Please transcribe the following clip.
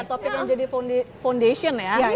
topik yang jadi foundation ya